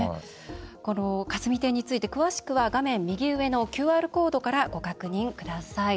霞堤について詳しくは画面右上のＱＲコードからご確認ください。